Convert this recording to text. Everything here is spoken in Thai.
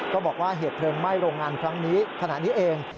ก็บอกว่าเหตุเพลิงไหม้โรงงานครั้งนี้ขณะนี้เอง